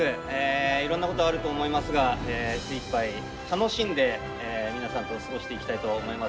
いろんなことあると思いますが精いっぱい楽しんで皆さんと過ごしていきたいと思います。